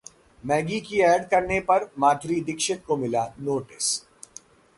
Maggi का ad करने पर माधुरी दीक्षित को मिला नोटिस